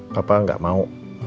papa gak mau